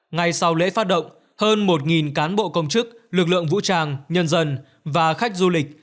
ngay sau lễ phát động hơn một cán bộ công chức lực lượng vũ trang nhân dân và khách du lịch